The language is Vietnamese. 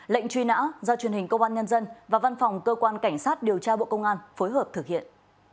lệnh truy nã do truyền hình công an nhân dân và văn phòng cơ quan cảnh sát điều tra bộ công an phối hợp thực hiện